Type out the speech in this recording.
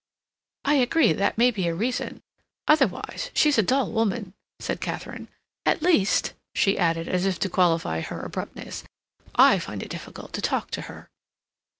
"I agree that may be a reason. Otherwise she's a dull woman," said Katharine. "At least," she added, as if to qualify her abruptness, "I find it difficult to talk to her."